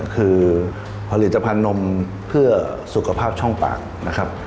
คือผลิตภัณฑ์นมเพื่อสุขภาพช่องปากนะครับ